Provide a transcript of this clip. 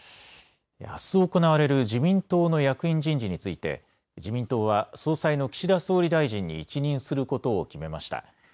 あす行われる自民党の役員人事について自民党は総裁の岸田総理大臣に一任することを決めました。